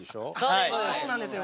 そうなんですよ。